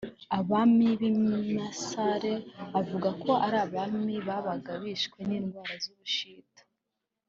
Abami b’imisare avuga ko bari abami babaga bishwe n’indwara z’ubushita